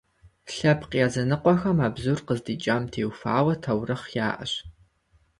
Лъэпкъ языныкъуэхэм а бзур къыздикӏам теухуа таурыхъ яӏэщ.